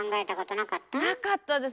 なかったです。